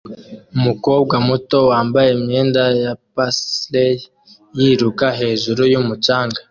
Umukobwa muto wambaye imyenda ya paisley yiruka hejuru yumucanga